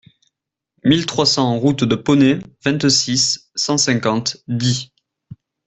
mille trois cents route de Ponet, vingt-six, cent cinquante, Die